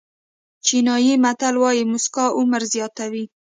چینایي متل وایي موسکا عمر زیاتوي.